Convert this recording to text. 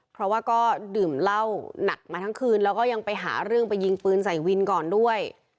เพราะว่าก็ดื่มเหล้าหนักมาทั้งคืนแล้วก็ยังไปหาเรื่องไปยิงปืนใส่วินก่อนด้วย